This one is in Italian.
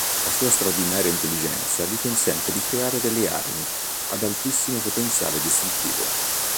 La sua straordinaria intelligenza gli consente di creare delle armi ad altissimo potenziale distruttivo.